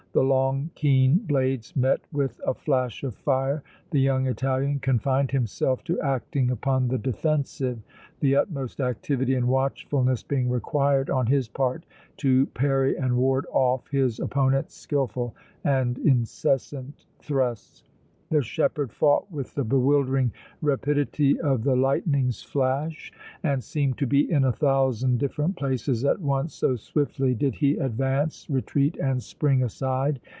The long, keen blades met with a flash of fire. The young Italian confined himself to acting upon the defensive, the utmost activity and watchfulness being required on his part to parry and ward off his opponent's skilful and incessant thrusts. The shepherd fought with the bewildering rapidity of the lightning's flash and seemed to be in a thousand different places at once so swiftly did he advance, retreat and spring aside.